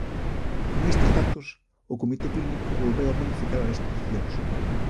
Con estes datos o comité clínico volveu a modificar as restricións.